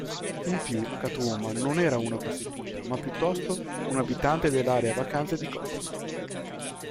In più, Catwoman non era una prostituta, ma piuttosto un'abitante dell'area vacanze di Gotham.